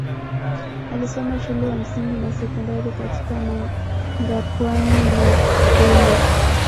Alisoma shule ya msingi na sekondari katika Mangapwani na Dole